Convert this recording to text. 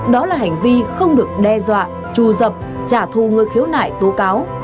đó là hành vi không được đe dọa trù dập trả thu ngươi khiếu nại tố cáo